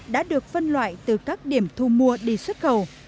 đã được phân loại từ các điểm thu mua đi xuất khẩu